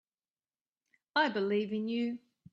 I believe in you.